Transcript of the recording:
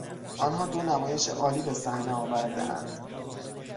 آنها دو نمایش عالی به صحنه آوردهاند.